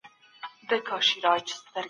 ملتونو به د مظلومانو کلکه ساتنه کوله.